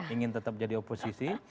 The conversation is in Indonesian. ingin tetap jadi oposisi